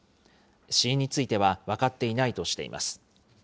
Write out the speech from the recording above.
死因については分かっていないとしています。